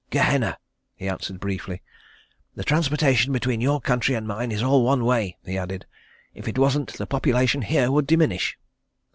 "Gehenna," he answered briefly. "The transportation between your country and mine is all one way," he added. "If it wasn't the population here would diminish."